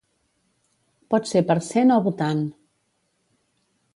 Pot ser per cent o votant.